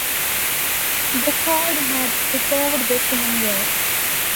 The cold had preserved the scene well.